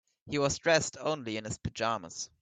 He was dressed only in his pajamas.